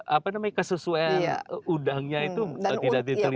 apa namanya kesesuaian udangnya itu tidak diterima